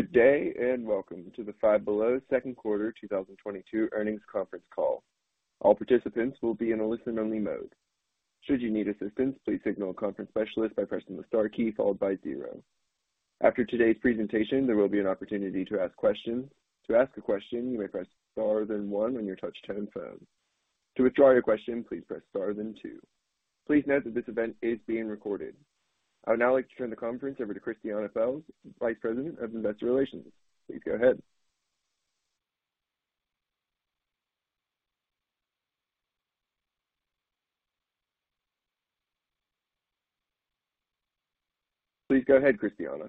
Good day, and welcome to the Five Below second quarter 2022 earnings conference call. All participants will be in a listen-only mode. Should you need assistance, please signal a conference specialist by pressing the star key followed by zero. After today's presentation, there will be an opportunity to ask questions. To ask a question, you may press star then one on your touch tone phone. To withdraw your question, please press star then two. Please note that this event is being recorded. I would now like to turn the conference over to Christiane Pelz, Vice President of Investor Relations. Please go ahead. Please go ahead, Christiane.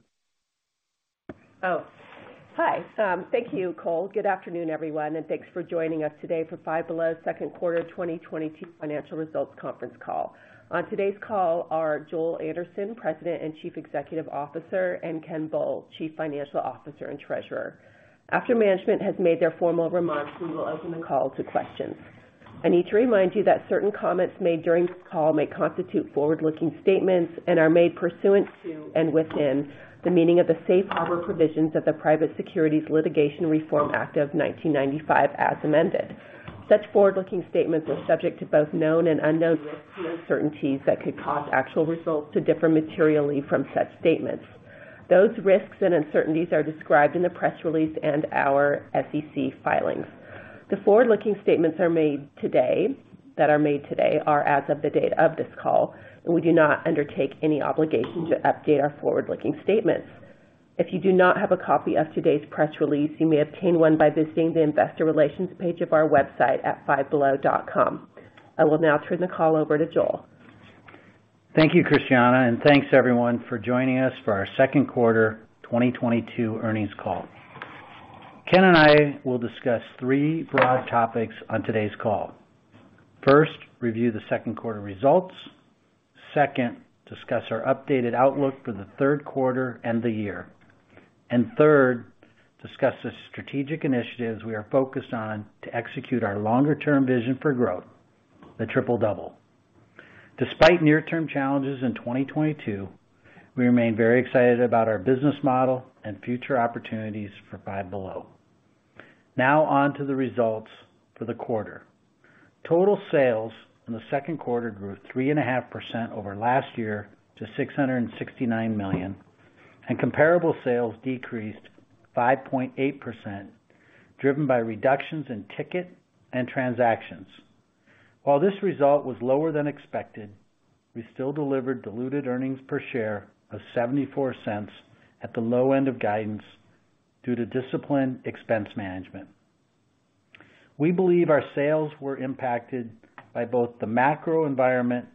Thank you, Cole. Good afternoon, everyone, and thanks for joining us today for Five Below second quarter 2022 financial results conference call. On today's call are Joel Anderson, President and Chief Executive Officer, and Ken Bull, Chief Financial Officer and Treasurer. After management has made their formal remarks, we will open the call to questions. I need to remind you that certain comments made during this call may constitute forward-looking statements and are made pursuant to and within the meaning of the safe harbor provisions of the Private Securities Litigation Reform Act of 1995 as amended. Such forward-looking statements are subject to both known and unknown risks and uncertainties that could cause actual results to differ materially from such statements. Those risks and uncertainties are described in the press release and our SEC filings. The forward-looking statements that are made today are as of the date of this call, and we do not undertake any obligation to update our forward-looking statements. If you do not have a copy of today's press release, you may obtain one by visiting the investor relations page of our website at fivebelow.com. I will now turn the call over to Joel. Thank you, Christiane, and thanks everyone for joining us for our second quarter 2022 earnings call. Ken and I will discuss three broad topics on today's call. First, review the second quarter results. Second, discuss our updated outlook for the third quarter and the year. Third, discuss the strategic initiatives we are focused on to execute our longer term vision for growth, the Triple-Double. Despite near term challenges in 2022, we remain very excited about our business model and future opportunities for Five Below. Now on to the results for the quarter. Total sales in the second quarter grew 3.5% over last year to $669 million, and comparable sales decreased 5.8%, driven by reductions in ticket and transactions. While this result was lower than expected, we still delivered diluted earnings per share of $0.74 at the low end of guidance due to disciplined expense management. We believe our sales were impacted by both the macro environment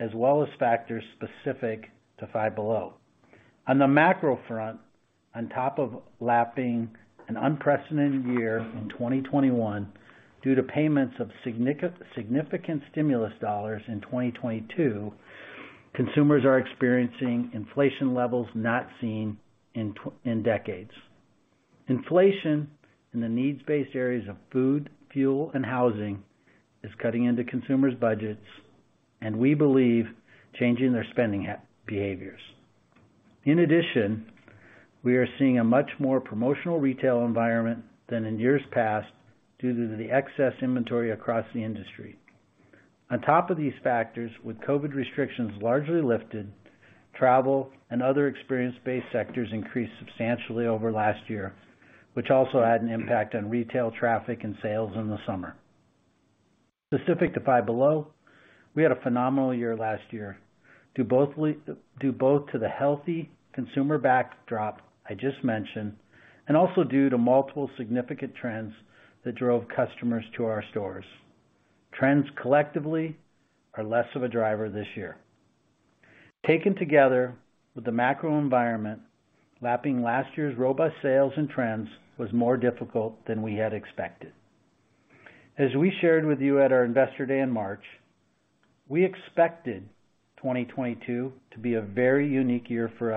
as well as factors specific to Five Below. On the macro front, on top of lapping an unprecedented year in 2021 due to payments of significant stimulus dollars in 2022, consumers are experiencing inflation levels not seen in decades. Inflation in the needs-based areas of food, fuel, and housing is cutting into consumers' budgets and we believe changing their spending behaviors. In addition, we are seeing a much more promotional retail environment than in years past due to the excess inventory across the industry. On top of these factors, with COVID restrictions largely lifted, travel and other experience-based sectors increased substantially over last year, which also had an impact on retail traffic and sales in the summer. Specific to Five Below, we had a phenomenal year last year, due both to the healthy consumer backdrop I just mentioned and also due to multiple significant trends that drove customers to our stores. Trends collectively are less of a driver this year. Taken together with the macro environment, lapping last year's robust sales and trends was more difficult than we had expected. As we shared with you at our Investor Day in March, we expected 2022 to be a very unique year for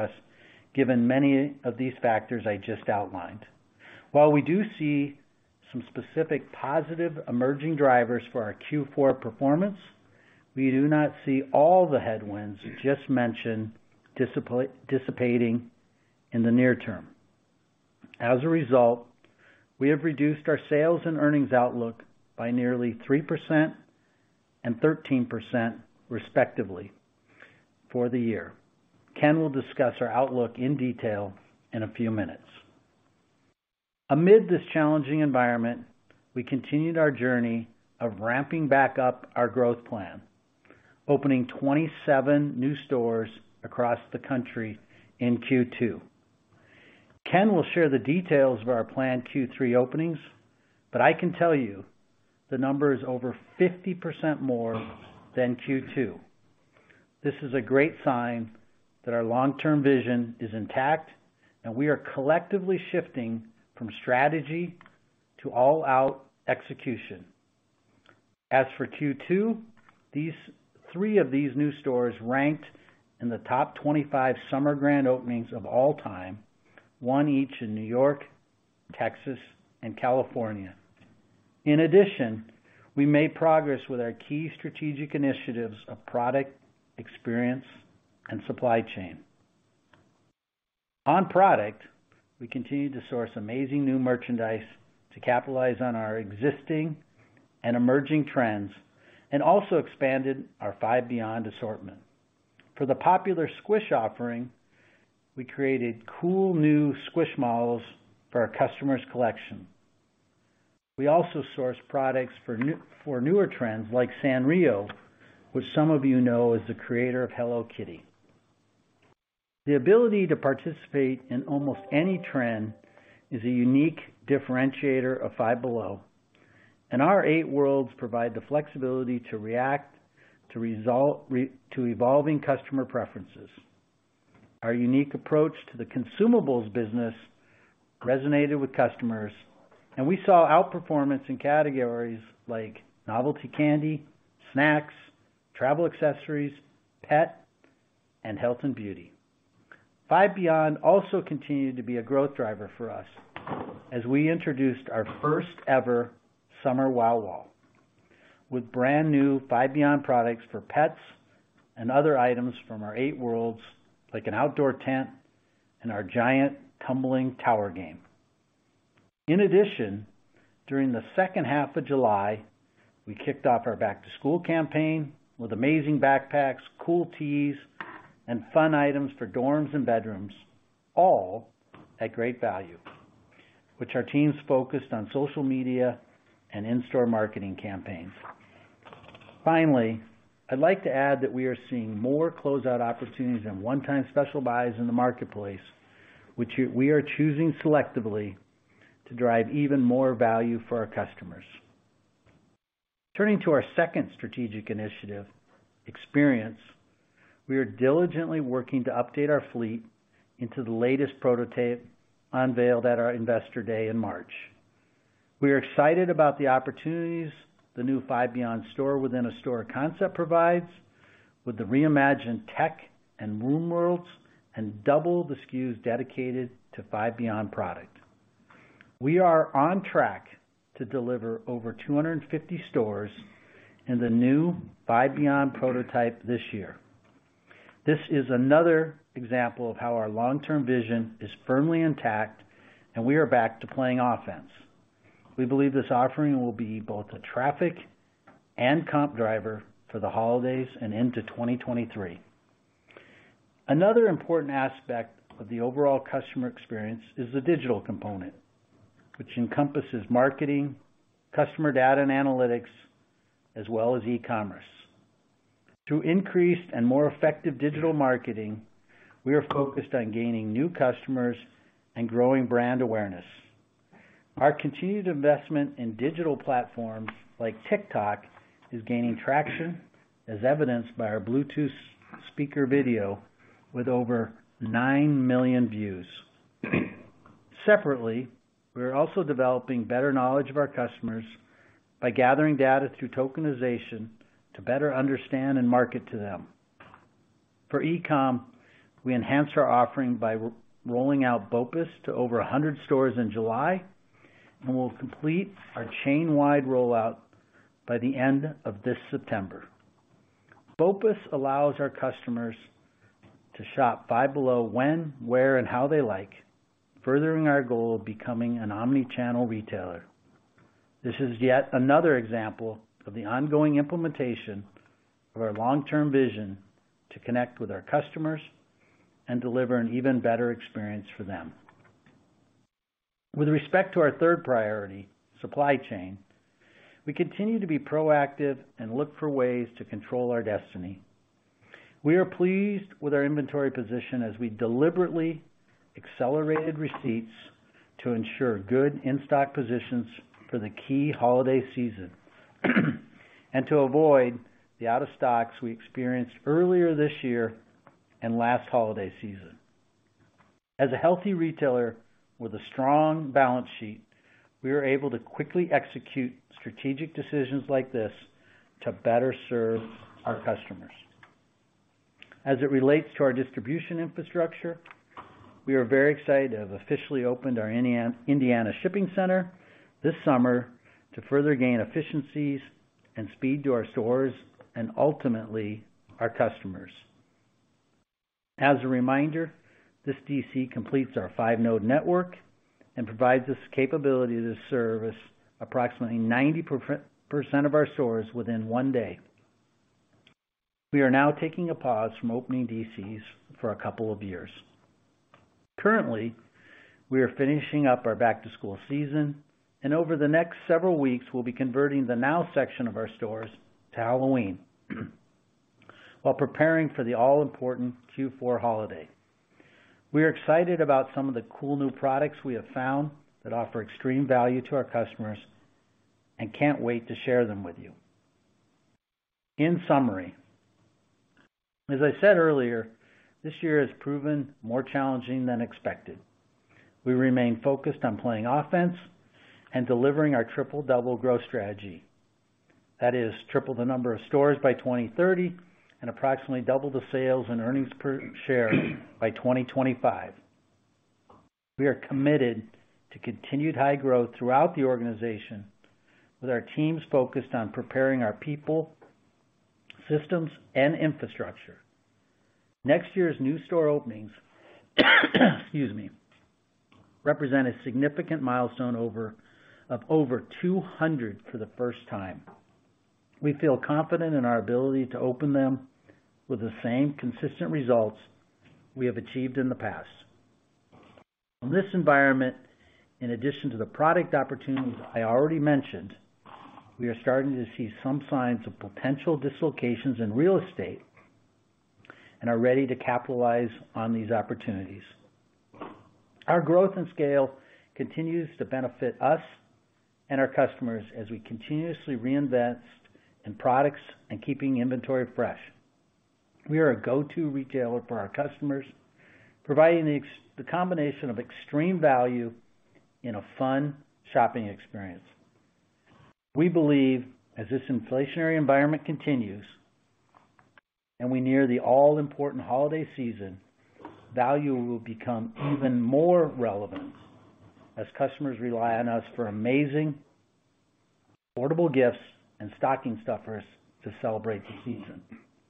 us, given many of these factors I just outlined. While we do see some specific positive emerging drivers for our Q4 performance, we do not see all the headwinds just mentioned dissipating in the near term. As a result, we have reduced our sales and earnings outlook by nearly 3% and 13% respectively for the year. Ken will discuss our outlook in detail in a few minutes. Amid this challenging environment, we continued our journey of ramping back up our growth plan, opening 27 new stores across the country in Q2. Ken will share the details of our planned Q3 openings, but I can tell you the number is over 50% more than Q2. This is a great sign that our long-term vision is intact, and we are collectively shifting from strategy to all-out execution. As for Q2, three of these new stores ranked in the top 25 all-time spring and summer grand openings, one each in New York, Texas, and California. In addition, we made progress with our key strategic initiatives of product, experience, and supply chain. On product, we continued to source amazing new merchandise to capitalize on our existing and emerging trends, and also expanded our Five Beyond assortment. For the popular Squish offering, we created cool new Squishmallows for our customers' collection. We also sourced products for newer trends like Sanrio, which some of you know is the creator of Hello Kitty. The ability to participate in almost any trend is a unique differentiator of Five Below. Our eight worlds provide the flexibility to react to evolving customer preferences. Our unique approach to the consumables business resonated with customers, and we saw outperformance in categories like novelty candy, snacks, travel accessories, pet, and health and beauty. Five Beyond also continued to be a growth driver for us as we introduced our first ever summer Wow Wall with brand-new Five Beyond products for pets and other items from our eight worlds, like an outdoor tent and our giant tumbling tower game. In addition, during the second half of July, we kicked off our back-to-school campaign with amazing backpacks, cool tees, and fun items for dorms and bedrooms, all at great value, which our teams focused on social media and in-store marketing campaigns. Finally, I'd like to add that we are seeing more closeout opportunities and one-time special buys in the marketplace, which we are choosing selectively to drive even more value for our customers. Turning to our second strategic initiative, experience, we are diligently working to update our fleet into the latest prototype unveiled at our investor day in March. We are excited about the opportunities the new Five Beyond store within a store concept provides with the reimagined tech and room worlds, and double the SKUs dedicated to Five Beyond product. We are on track to deliver over 250 stores in the new Five Beyond prototype this year. This is another example of how our long-term vision is firmly intact, and we are back to playing offense. We believe this offering will be both a traffic and comp driver for the holidays and into 2023. Another important aspect of the overall customer experience is the digital component, which encompasses marketing, customer data and analytics, as well as e-commerce. Through increased and more effective digital marketing, we are focused on gaining new customers and growing brand awareness. Our continued investment in digital platforms like TikTok is gaining traction, as evidenced by our Bluetooth speaker video with over 9 million views. Separately, we're also developing better knowledge of our customers by gathering data through tokenization to better understand and market to them. For e-commerce, we enhanced our offering by rolling out BOPIS to over 100 stores in July, and we'll complete our chain-wide rollout by the end of this September. BOPIS allows our customers to shop Five Below when, where, and how they like, furthering our goal of becoming an omni-channel retailer. This is yet another example of the ongoing implementation of our long-term vision to connect with our customers and deliver an even better experience for them. With respect to our third priority, supply chain, we continue to be proactive and look for ways to control our destiny. We are pleased with our inventory position as we deliberately accelerated receipts to ensure good in-stock positions for the key holiday season, and to avoid the out of stocks we experienced earlier this year and last holiday season. As a healthy retailer with a strong balance sheet, we are able to quickly execute strategic decisions like this to better serve our customers. As it relates to our distribution infrastructure, we are very excited to have officially opened our Indiana shipping center this summer to further gain efficiencies and speed to our stores and ultimately our customers. As a reminder, this DC completes our 5-node network and provides us capability to service approximately 90% of our stores within one day. We are now taking a pause from opening DCs for a couple of years. Currently, we are finishing up our back-to-school season, and over the next several weeks, we'll be converting the now section of our stores to Halloween while preparing for the all-important Q4 holiday. We are excited about some of the cool new products we have found that offer extreme value to our customers and can't wait to share them with you. In summary, as I said earlier, this year has proven more challenging than expected. We remain focused on playing offense and delivering our Triple-Double growth strategy. That is triple the number of stores by 2030 and approximately double the sales and earnings per share by 2025. We are committed to continued high growth throughout the organization with our teams focused on preparing our people, systems, and infrastructure. Next year's new store openings, excuse me, represent a significant milestone of over 200 for the first time. We feel confident in our ability to open them with the same consistent results we have achieved in the past. In this environment, in addition to the product opportunities I already mentioned, we are starting to see some signs of potential dislocations in real estate and are ready to capitalize on these opportunities. Our growth and scale continues to benefit us and our customers as we continuously reinvest in products and keeping inventory fresh. We are a go-to retailer for our customers, providing the combination of extreme value in a fun shopping experience. We believe as this inflationary environment continues and we near the all-important holiday season, value will become even more relevant as customers rely on us for amazing, affordable gifts and stocking stuffers to celebrate the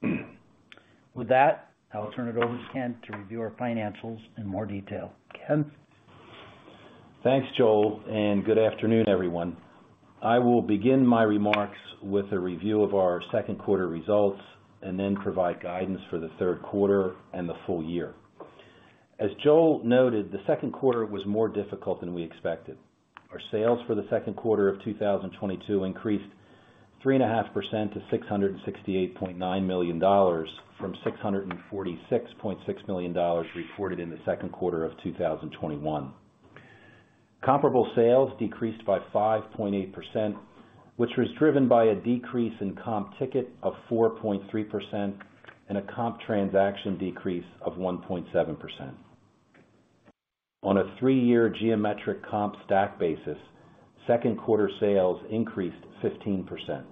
season. With that, I'll turn it over to Ken to review our financials in more detail. Ken? Thanks, Joel, and good afternoon, everyone. I will begin my remarks with a review of our second quarter results and then provide guidance for the third quarter and the full year. As Joel noted, the second quarter was more difficult than we expected. Our sales for the second quarter of 2022 increased 3.5% to $668.9 million from $646.6 million reported in the second quarter of 2021. Comparable sales decreased by 5.8%, which was driven by a decrease in comp ticket of 4.3% and a comp transaction decrease of 1.7%. On a 3-year geometric comp stack basis, second quarter sales increased 15%.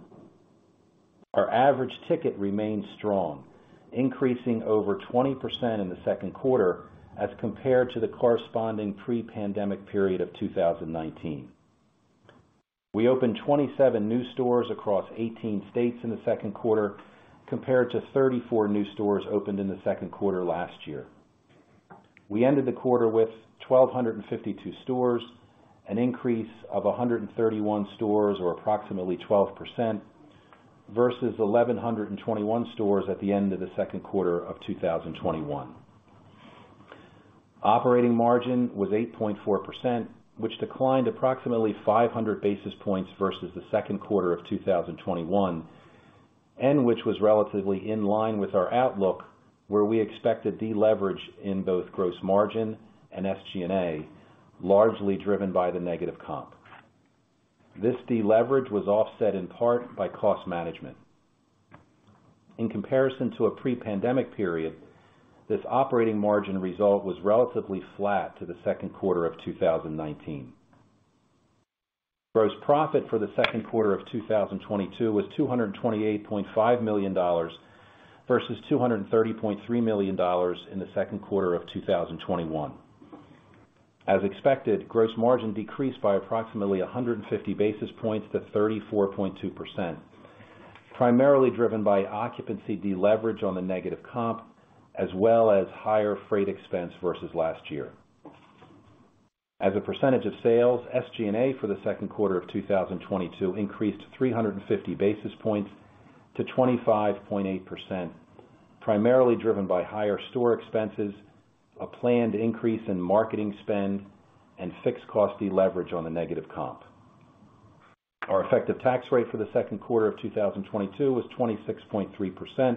Our average ticket remained strong, increasing over 20% in the second quarter as compared to the corresponding pre-pandemic period of 2019. We opened 27 new stores across 18 states in the second quarter, compared to 34 new stores opened in the second quarter last year. We ended the quarter with 1,252 stores, an increase of 131 stores or approximately 12% versus 1,121 stores at the end of the second quarter of 2021. Operating margin was 8.4%, which declined approximately 500 basis points versus the second quarter of 2021, and which was relatively in line with our outlook, where we expected deleverage in both gross margin and SG&A, largely driven by the negative comp. This deleverage was offset in part by cost management. In comparison to a pre-pandemic period, this operating margin result was relatively flat to the second quarter of 2019. Gross profit for the second quarter of 2022 was $228.5 million versus $230.3 million in the second quarter of 2021. As expected, gross margin decreased by approximately 150 basis points to 34.2%, primarily driven by occupancy deleverage on the negative comp as well as higher freight expense versus last year. As a percentage of sales, SG&A for the second quarter of 2022 increased 350 basis points to 25.8%, primarily driven by higher store expenses, a planned increase in marketing spend, and fixed cost deleverage on the negative comp. Our effective tax rate for the second quarter of 2022 was 26.3%,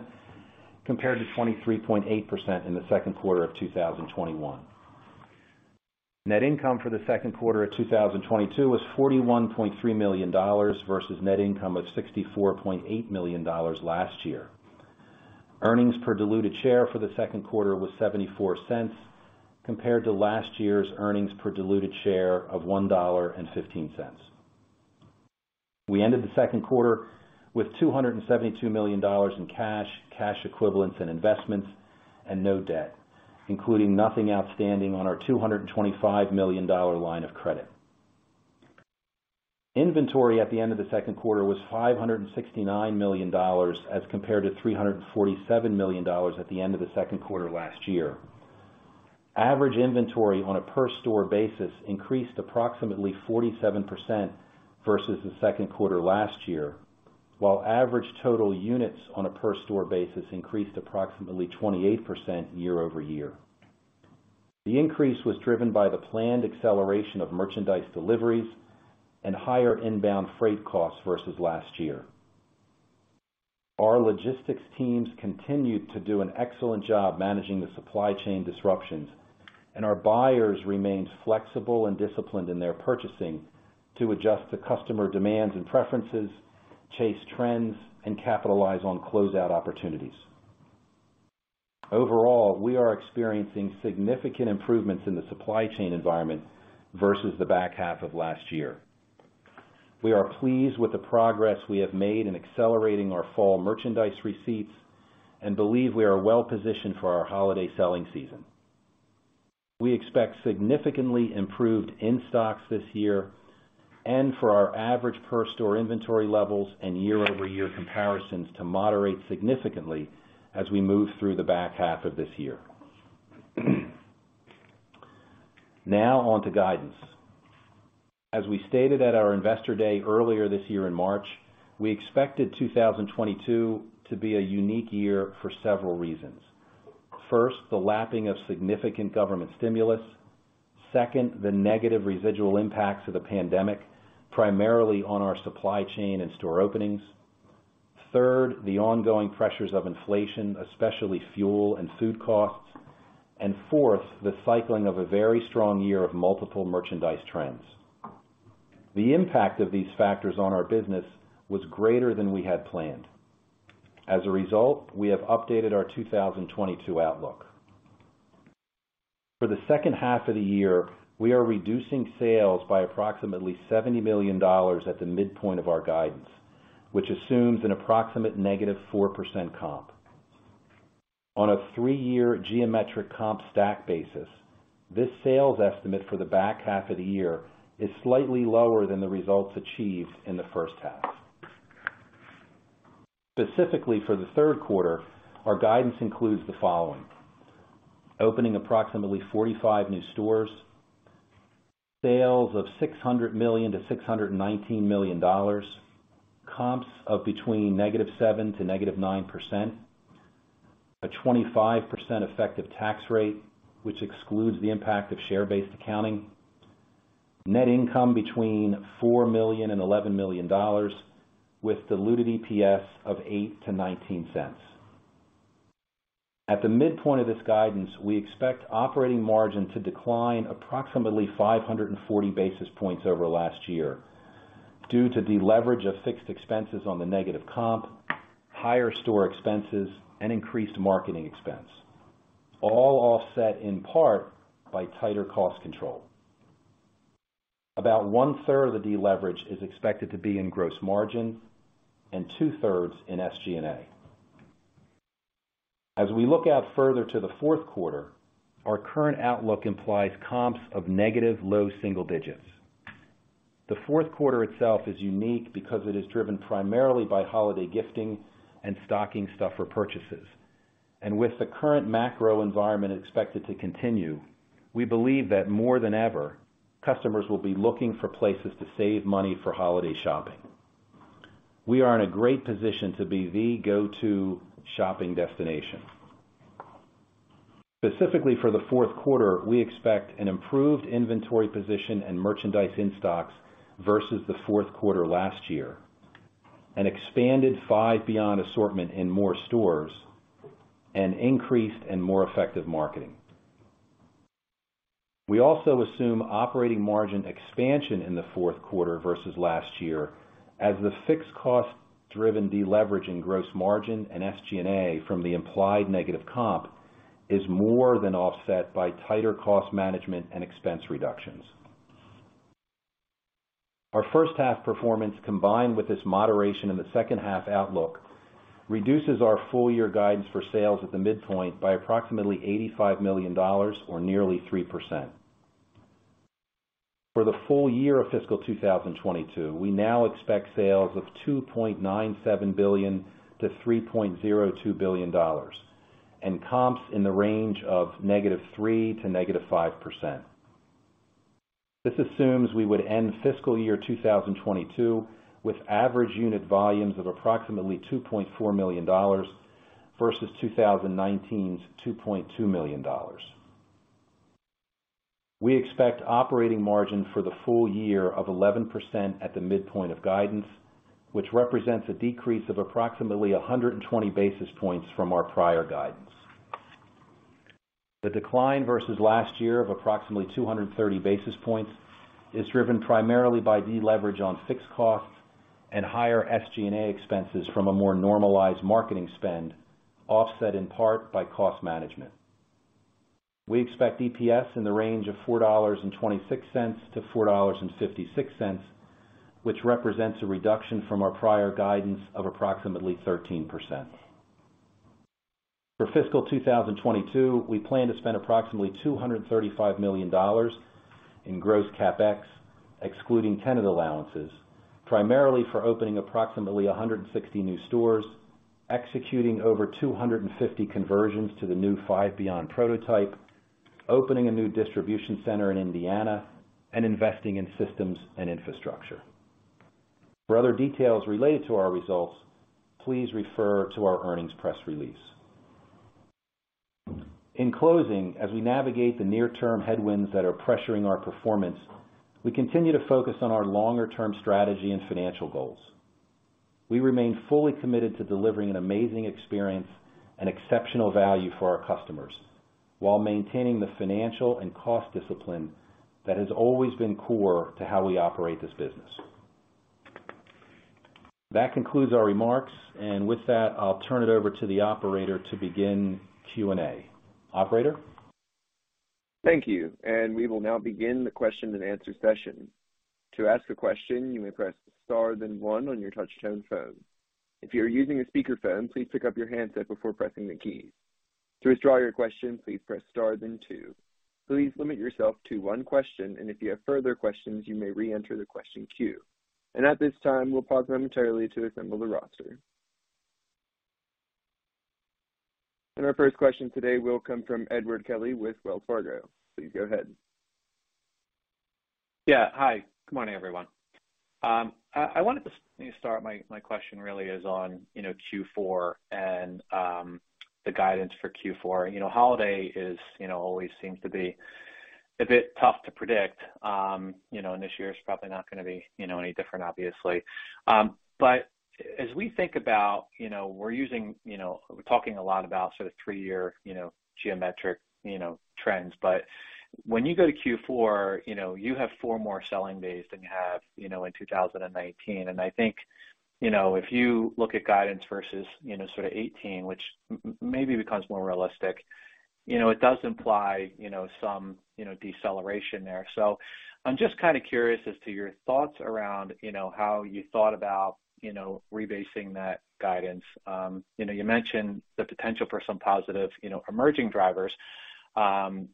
compared to 23.8% in the second quarter of 2021. Net income for the second quarter of 2022 was $41.3 million versus net income of $64.8 million last year. Earnings per diluted share for the second quarter was $0.74 compared to last year's earnings per diluted share of $1.15. We ended the second quarter with $272 million in cash equivalents, and investments, and no debt, including nothing outstanding on our $225 million line of credit. Inventory at the end of the second quarter was $569 million as compared to $347 million at the end of the second quarter last year. Average inventory on a per store basis increased approximately 47% versus the second quarter last year, while average total units on a per store basis increased approximately 28% year-over-year. The increase was driven by the planned acceleration of merchandise deliveries and higher inbound freight costs versus last year. Our logistics teams continued to do an excellent job managing the supply chain disruptions, and our buyers remained flexible and disciplined in their purchasing to adjust to customer demands and preferences, chase trends, and capitalize on closeout opportunities. Overall, we are experiencing significant improvements in the supply chain environment versus the back half of last year. We are pleased with the progress we have made in accelerating our fall merchandise receipts and believe we are well positioned for our holiday selling season. We expect significantly improved in-stocks this year and for our average per store inventory levels and year-over-year comparisons to moderate significantly as we move through the back half of this year. Now on to guidance. As we stated at our Investor Day earlier this year in March, we expected 2022 to be a unique year for several reasons. First, the lapping of significant government stimulus. Second, the negative residual impacts of the pandemic, primarily on our supply chain and store openings. Third, the ongoing pressures of inflation, especially fuel and food costs. Fourth, the cycling of a very strong year of multiple merchandise trends. The impact of these factors on our business was greater than we had planned. As a result, we have updated our 2022 outlook. For the second half of the year, we are reducing sales by approximately $70 million at the midpoint of our guidance, which assumes an approximate -4% comp. On a three-year geometric comp stack basis, this sales estimate for the back half of the year is slightly lower than the results achieved in the first half. Specifically for the third quarter, our guidance includes the following. Opening approximately 45 new stores. Sales of $600 million-$619 million. Comps of between -7% to -9%. A 25% effective tax rate, which excludes the impact of share-based accounting. Net income between $4 million-$11 million with diluted EPS of $0.08-$0.19. At the midpoint of this guidance, we expect operating margin to decline approximately 540 basis points over last year due to deleverage of fixed expenses on the negative comp, higher store expenses and increased marketing expense, all offset in part by tighter cost control. About 1/3 of the deleverage is expected to be in gross margin and 2/3 in SG&A. As we look out further to the fourth quarter, our current outlook implies comps of negative low single digits. The fourth quarter itself is unique because it is driven primarily by holiday gifting and stocking stuffer purchases. With the current macro environment expected to continue, we believe that more than ever, customers will be looking for places to save money for holiday shopping. We are in a great position to be the go-to shopping destination. Specifically for the fourth quarter, we expect an improved inventory position and merchandise in stocks versus the fourth quarter last year, an expanded Five Beyond assortment in more stores, and increased and more effective marketing. We also assume operating margin expansion in the fourth quarter versus last year as the fixed cost-driven deleverage in gross margin and SG&A from the implied negative comp is more than offset by tighter cost management and expense reductions. Our first half performance, combined with this moderation in the second half outlook, reduces our full year guidance for sales at the midpoint by approximately $85 million or nearly 3%. For the full year of fiscal 2022, we now expect sales of $2.97 billion-$3.02 billion and comps in the range of -3% to -5%. This assumes we would end fiscal year 2022 with average unit volumes of approximately $2.4 million versus 2019's $2.2 million. We expect operating margin for the full year of 11% at the midpoint of guidance, which represents a decrease of approximately 120 basis points from our prior guidance. The decline versus last year of approximately 230 basis points is driven primarily by deleverage on fixed costs and higher SG&A expenses from a more normalized marketing spend, offset in part by cost management. We expect EPS in the range of $4.26-$4.56, which represents a reduction from our prior guidance of approximately 13%. For fiscal 2022, we plan to spend approximately $235 million in gross CapEx, excluding tenant allowances, primarily for opening approximately 160 new stores, executing over 250 conversions to the new Five Beyond prototype, opening a new distribution center in Indiana, and investing in systems and infrastructure. For other details related to our results, please refer to our earnings press release. In closing, as we navigate the near-term headwinds that are pressuring our performance, we continue to focus on our longer-term strategy and financial goals. We remain fully committed to delivering an amazing experience and exceptional value for our customers while maintaining the financial and cost discipline that has always been core to how we operate this business. That concludes our remarks. With that, I'll turn it over to the operator to begin Q&A. Operator? Thank you. We will now begin the question-and-answer session. To ask a question, you may press star then one on your touchtone phone. If you're using a speakerphone, please pick up your handset before pressing the key. To withdraw your question, please press star then two. Please limit yourself to one question, and if you have further questions, you may reenter the question queue. At this time, we'll pause momentarily to assemble the roster. Our first question today will come from Edward Kelly with Wells Fargo. Please go ahead. Yeah. Hi. Good morning, everyone. I wanted to start—my question really is on, you know, Q4 and the guidance for Q4. You know, holiday always seems to be a bit tough to predict, you know, and this year is probably not gonna be, you know, any different, obviously. As we think about, you know, we're using, you know, we're talking a lot about sort of three-year, you know, geometric, you know, trends. When you go to Q4, you know, you have 4 more selling days than you have, you know, in 2019. I think, you know, if you look at guidance versus, you know, sort of 2018, which maybe becomes more realistic, you know, it does imply, you know, some, you know, deceleration there. I'm just kind of curious as to your thoughts around, you know, how you thought about, you know, rebasing that guidance. You know, you mentioned the potential for some positive, you know, emerging drivers. I'm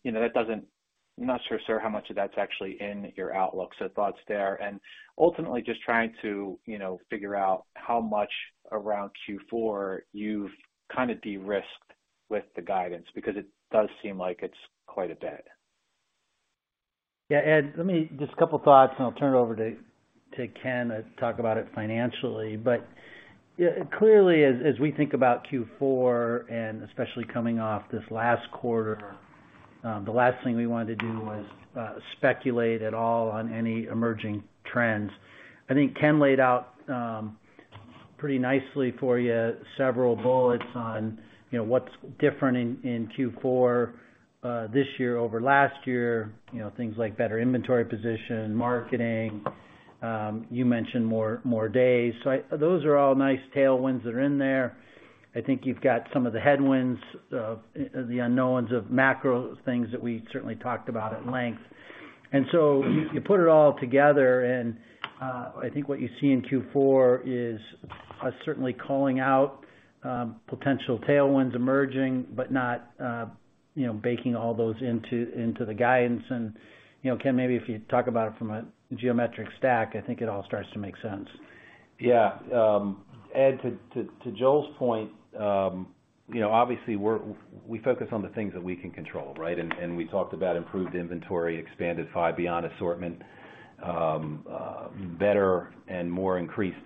not sure, sir, how much of that's actually in your outlook. Thoughts there. Ultimately, just trying to, you know, figure out how much around Q4 you've kind of de-risked with the guidance because it does seem like it's quite a bit. Yeah. Ed, let me just a couple of thoughts, and I'll turn it over to Ken to talk about it financially. Yeah, clearly, as we think about Q4 and especially coming off this last quarter, the last thing we wanted to do was speculate at all on any emerging trends. I think Ken laid out pretty nicely for you several bullets on, you know, what's different in Q4 this year over last year, you know, things like better inventory position, marketing. You mentioned more days. Those are all nice tailwinds that are in there. I think you've got some of the headwinds of the unknowns of macro things that we certainly talked about at length. You put it all together, and I think what you see in Q4 is us certainly calling out potential tailwinds emerging, but not you know, baking all those into the guidance. You know, Ken, maybe if you talk about it from a geometric stack, I think it all starts to make sense. Yeah. Edward, to Joel's point, you know, obviously, we focus on the things that we can control, right? We talked about improved inventory, expanded Five Beyond assortment, better and more increased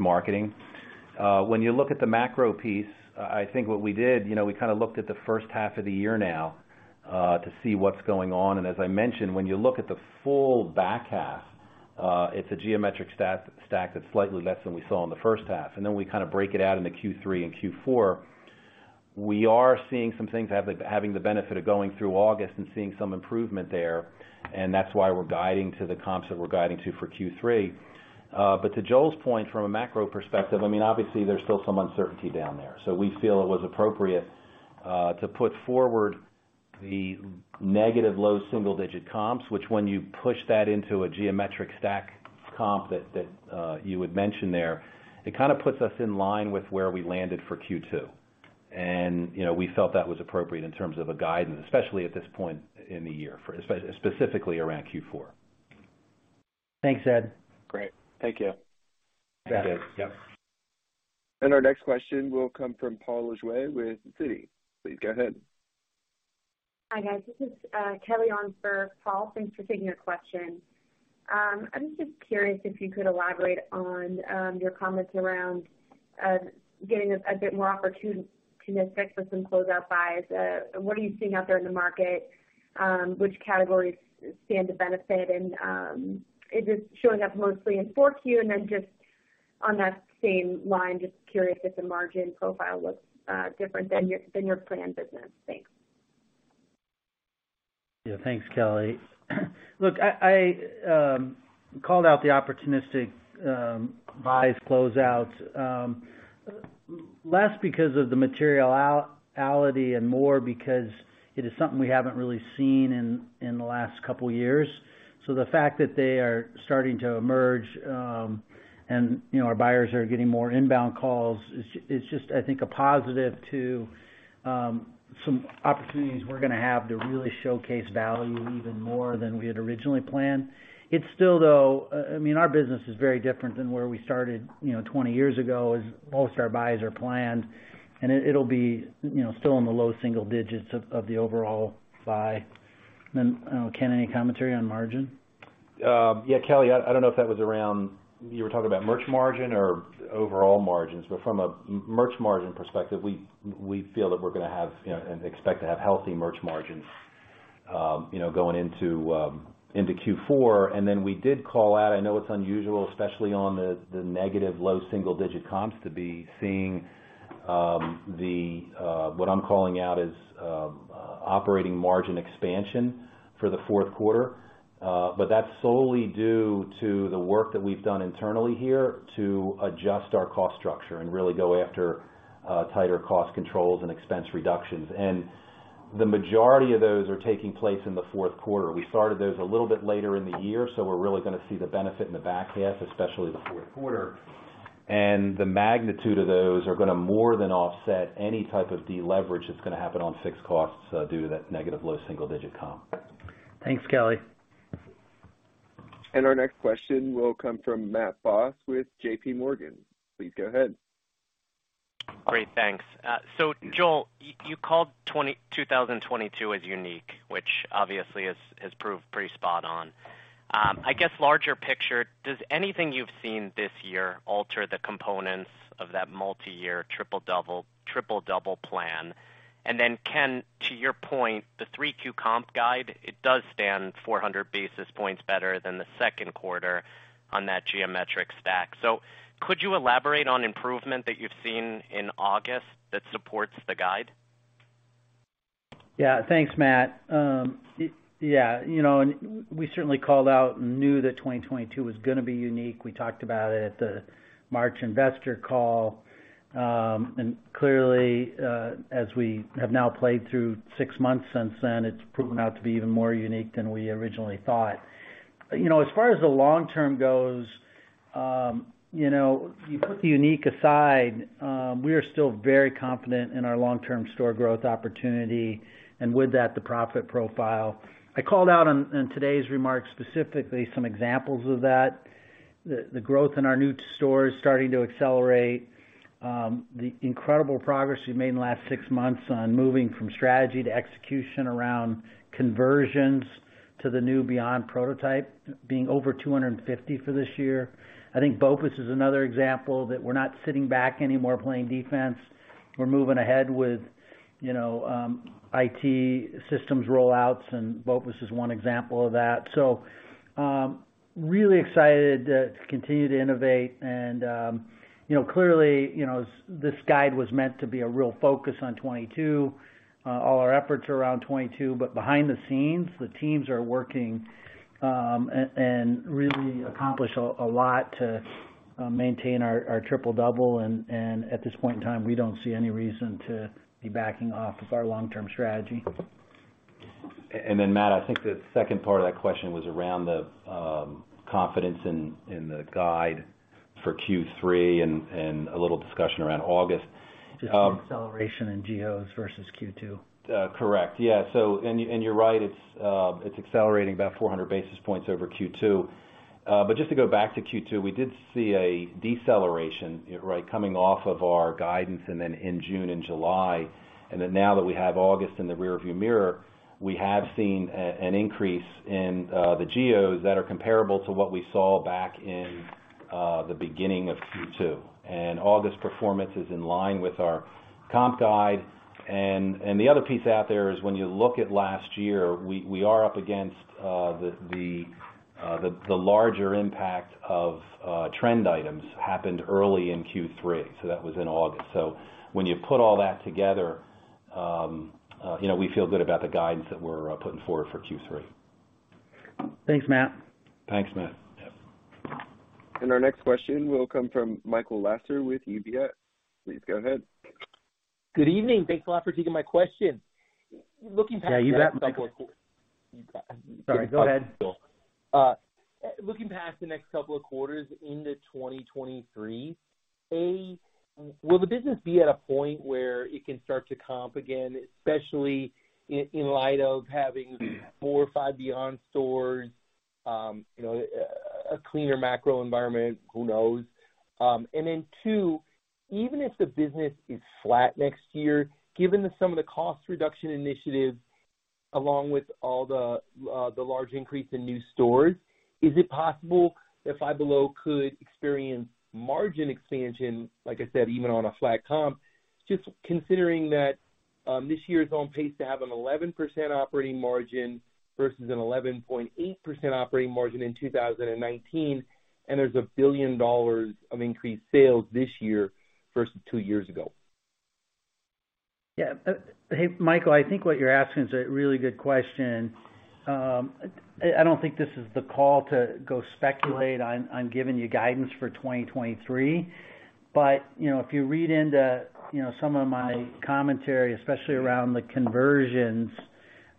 marketing. When you look at the macro piece, I think what we did, you know, we kind of looked at the first half of the year now to see what's going on. As I mentioned, when you look at the full back half, it's a geometric comp stack that's slightly less than we saw in the first half. We kind of break it out into Q3 and Q4. We are seeing some things having the benefit of going through August and seeing some improvement there, and that's why we're guiding to the comps that we're guiding to for Q3. But to Joel's point, from a macro perspective, I mean, obviously, there's still some uncertainty down there. We feel it was appropriate to put forward the negative low single-digit comps, which when you push that into a geometric comp stack that you had mentioned there, it kind of puts us in line with where we landed for Q2. You know, we felt that was appropriate in terms of a guidance, especially at this point in the year for specifically around Q4. Thanks, Ed. Great. Thank you. Yeah. Yep. Our next question will come from Paul Lejuez with Citi. Please go ahead. Hi, guys. This is Kelly on for Paul. Thanks for taking your question. I'm just curious if you could elaborate on your comments around getting a bit more opportunistic with some closeout buys. What are you seeing out there in the market? Which categories stand to benefit? Is it showing up mostly in 4Q? Just on that same line, just curious if the margin profile looks different than your planned business. Thanks. Yeah. Thanks, Kelly. Look, I called out the opportunistic buys closeout less because of the materiality and more because it is something we haven't really seen in the last couple years. The fact that they are starting to emerge, and, you know, our buyers are getting more inbound calls is just, I think, a positive to some opportunities we're gonna have to really showcase value even more than we had originally planned. It's still, though. I mean, our business is very different than where we started, you know, 20 years ago, as most of our buys are planned, and it'll be, you know, still in the low single digits of the overall buy. I don't know, Ken, any commentary on margin? Yeah, Kelly, I don't know if that was around. You were talking about merch margin or overall margins? From a merch margin perspective, we feel that we're gonna have, you know, and expect to have healthy merch margins, you know, going into Q4. Then we did call out, I know it's unusual, especially on the negative low single-digit comps to be seeing... What I'm calling out is operating margin expansion for the fourth quarter. That's solely due to the work that we've done internally here to adjust our cost structure and really go after tighter cost controls and expense reductions. The majority of those are taking place in the fourth quarter. We started those a little bit later in the year, so we're really gonna see the benefit in the back half, especially the fourth quarter. The magnitude of those are gonna more than offset any type of deleverage that's gonna happen on fixed costs due to that negative low single digit comp. Thanks, Kelly. Our next question will come from Matt Boss with JPMorgan. Please go ahead. Great, thanks. Joel, you called 2022 as unique, which obviously has proved pretty spot on. I guess larger picture, does anything you've seen this year alter the components of that multiyear Triple-Double plan? Ken, to your point, the 3Q comp guide, it does stand 400 basis points better than the second quarter on that geometric comp stack. Could you elaborate on improvement that you've seen in August that supports the guide? Yeah, thanks, Matt. Yeah, you know, we certainly called out and knew that 2022 was gonna be unique. We talked about it at the March investor call. Clearly, as we have now played through six months since then, it's proven out to be even more unique than we originally thought. You know, as far as the long-term goes, you know, you put the unique aside, we are still very confident in our long-term store growth opportunity and with that, the profit profile. I called out, in today's remarks, specifically some examples of that. The growth in our new stores starting to accelerate. The incredible progress we've made in the last six months on moving from strategy to execution around conversions to the new Five Beyond prototype being over 250 for this year. I think BOPIS is another example that we're not sitting back anymore playing defense. We're moving ahead with, you know, IT systems rollouts, and BOPUS is one example of that. Really excited to continue to innovate and, you know, clearly, this guide was meant to be a real focus on 2022. All our efforts are around 2022, but behind the scenes, the teams are working and really accomplish a lot to maintain our Triple-Double. At this point in time, we don't see any reason to be backing off of our long-term strategy. Matt, I think the second part of that question was around the confidence in the guide for Q3 and a little discussion around August. Just the acceleration in geos versus Q2. Correct. Yeah. You're right, it's accelerating about 400 basis points over Q2. But just to go back to Q2, we did see a deceleration, right, coming off of our guidance and then in June and July. Now that we have August in the rear view mirror, we have seen an increase in the geos that are comparable to what we saw back in the beginning of Q2. August performance is in line with our comp guide. The other piece out there is when you look at last year, we are up against the larger impact of trend items happened early in Q3, so that was in August. When you put all that together, you know, we feel good about the guidance that we're putting forward for Q3. Thanks, Matt. Thanks, Matt. Yep. Our next question will come from Michael Lasser with UBS. Please go ahead. Good evening. Thanks a lot for taking my question. Looking past the next couple of quar- Yeah, you bet, Michael. Sorry, go ahead, Michael. Looking past the next couple of quarters into 2023, will the business be at a point where it can start to comp again, especially in light of having four or five Five Beyond stores, you know, a cleaner macro environment, who knows? Then two, even if the business is flat next year, given that some of the cost reduction initiatives, along with all the large increase in new stores, is it possible that Five Below could experience margin expansion, like I said, even on a flat comp, just considering that this year is on pace to have an 11% operating margin versus an 11.8% operating margin in 2019, and there's $1 billion of increased sales this year versus two years ago. Yeah. Hey, Michael, I think what you're asking is a really good question. I don't think this is the call to go speculate on giving you guidance for 2023. You know, if you read into some of my commentary, especially around the conversions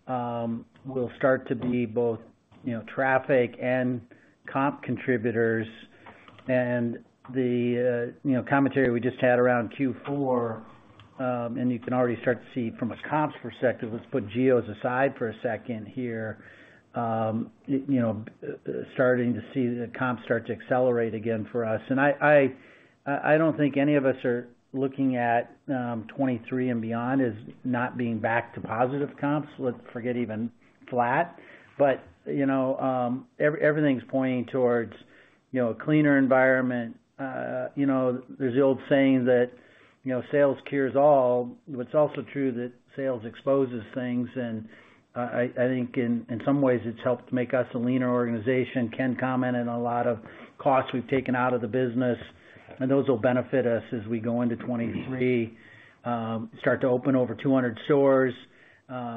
will start to be both traffic and comp contributors. The commentary we just had around Q4, and you can already start to see from a comps perspective, let's put geos aside for a second here, you know, starting to see the comps start to accelerate again for us. I don't think any of us are looking at 2023 and beyond as not being back to positive comps. Let's forget even flat. You know, everything's pointing towards a cleaner environment. You know, there's the old saying that, you know, sales cures all. It's also true that sales exposes things, and I think in some ways, it's helped make us a leaner organization. Ken commented on a lot of costs we've taken out of the business, and those will benefit us as we go into 2023, start to open over 200 stores. You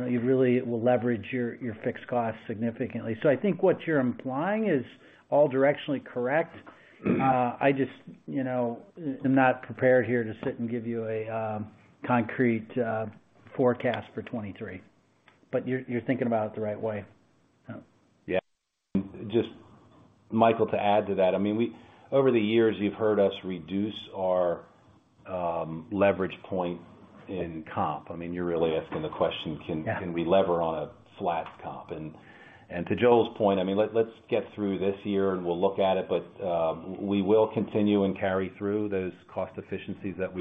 know, you really will leverage your fixed costs significantly. I think what you're implying is all directionally correct. I just, you know, am not prepared here to sit and give you a concrete forecast for 2023. You're thinking about it the right way. Yeah. Just, Michael, to add to that, I mean, we over the years, you've heard us reduce our leverage point in comp. I mean, you're really asking the question, can we lever on a flat comp? To Joel's point, I mean, let's get through this year, and we'll look at it. We will continue and carry through those cost efficiencies that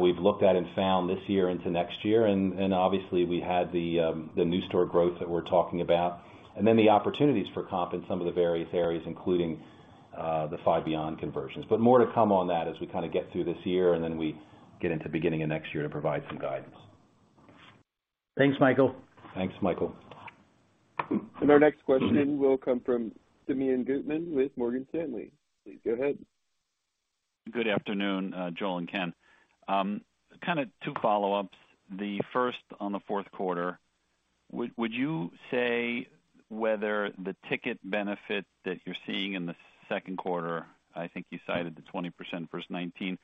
we've looked at and found this year into next year. Obviously, we had the new store growth that we're talking about. Then the opportunities for comp in some of the various areas, including the Five Beyond conversions. More to come on that as we kinda get through this year, and then we get into beginning of next year to provide some guidance. Thanks, Michael. Thanks, Michael. Our next question will come from Simeon Gutman with Morgan Stanley. Please go ahead. Good afternoon, Joel and Ken. Kind of two follow-ups. The first on the fourth quarter, would you say whether the ticket benefit that you're seeing in the second quarter, I think you cited the 20% versus 19,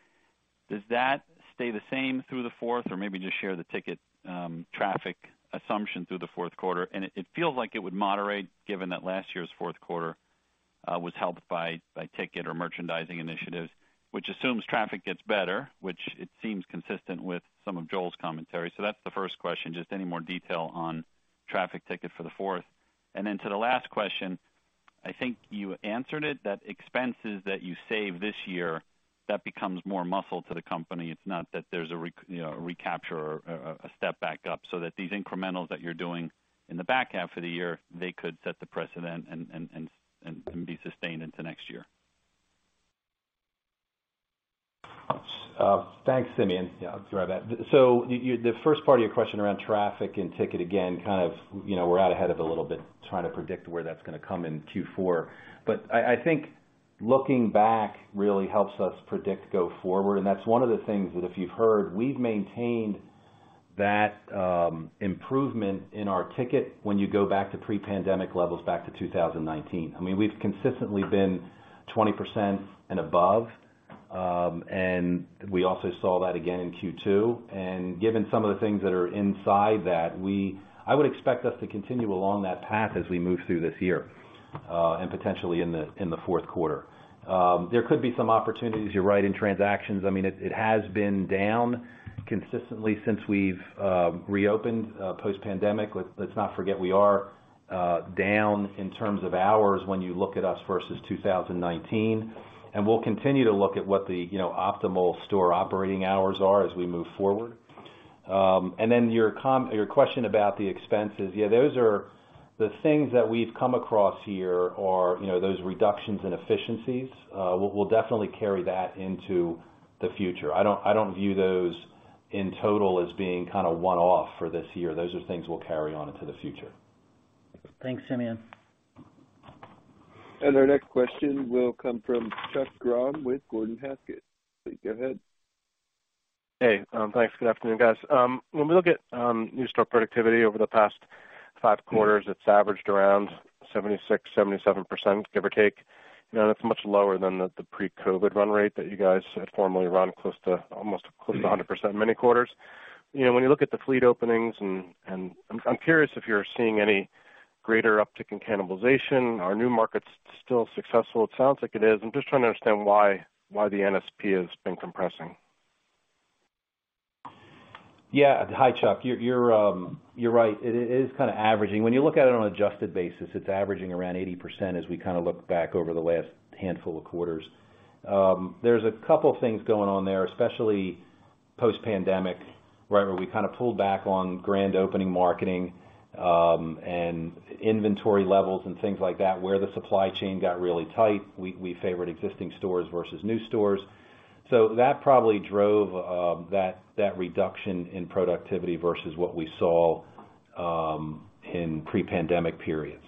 does that stay the same through the fourth? Or maybe just share the ticket and traffic assumption through the fourth quarter. It feels like it would moderate, given that last year's fourth quarter was helped by ticket or merchandising initiatives, which assumes traffic gets better, which it seems consistent with some of Joel's commentary. That's the first question, just any more detail on traffic and ticket for the fourth. Then to the last question, I think you answered it, that expenses that you save this year, that becomes more muscle to the company. It's not that there's a recapture or a step back up so that these incrementals that you're doing in the back half of the year, they could set the precedent and be sustained into next year. Thanks, Simeon. Yeah, I'll grab that. You the first part of your question around traffic and ticket, again, kind of, you know, we're out ahead of it a little bit, trying to predict where that's gonna come in Q4. I think looking back really helps us predict go forward, and that's one of the things that if you've heard, we've maintained that improvement in our ticket when you go back to pre-pandemic levels back to 2019. I mean, we've consistently been 20% and above, and we also saw that again in Q2. Given some of the things that are inside that, I would expect us to continue along that path as we move through this year, and potentially in the fourth quarter. There could be some opportunities, you're right, in transactions. I mean, it has been down consistently since we've reopened post-pandemic. Let's not forget we are down in terms of hours when you look at us versus 2019. We'll continue to look at what the, you know, optimal store operating hours are as we move forward. And then your question about the expenses. Yeah, those are the things that we've come across here are, you know, those reductions in efficiencies. We'll definitely carry that into the future. I don't view those in total as being kind of one-off for this year. Those are things we'll carry on into the future. Thanks, Simeon. Our next question will come from Chuck Grom with Gordon Haskett. Please go ahead. Hey, thanks. Good afternoon, guys. When we look at new store productivity over the past five quarters, it's averaged around 76%-77%, give or take. You know, that's much lower than the pre-COVID run rate that you guys had formerly run close to almost 100% many quarters. You know, when you look at the fleet openings and I'm curious if you're seeing any greater uptick in cannibalization. Are new markets still successful? It sounds like it is. I'm just trying to understand why the NSP has been compressing. Yeah. Hi, Chuck. You're right. It is kinda averaging. When you look at it on an adjusted basis, it's averaging around 80% as we kinda look back over the last handful of quarters. There's a couple things going on there, especially post-pandemic, right, where we kind of pulled back on grand opening marketing, and inventory levels and things like that, where the supply chain got really tight. We favored existing stores versus new stores. That probably drove that reduction in productivity versus what we saw in pre-pandemic periods.